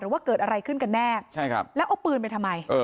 ว่าเกิดอะไรขึ้นกันแน่ใช่ครับแล้วเอาปืนไปทำไม